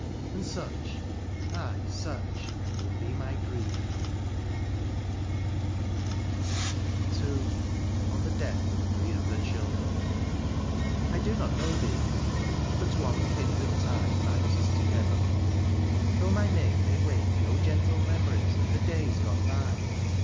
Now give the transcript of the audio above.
And such, ay such, will be my grief ! TO ON THE DEATH OF THREE OF HER CHILDREN. I do not know thee^ but one kindred tie Binds us together, — ^though my name may wake No gentle memories of the days gone by.